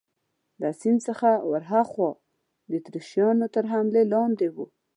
له سیند څخه ورهاخوا د اتریشیانو تر حملې لاندې وو.